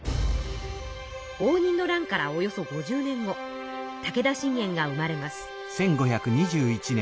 応仁の乱からおよそ５０年後武田信玄が生まれます。